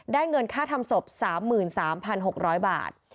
เงินค่าทำศพ๓๓๖๐๐บาท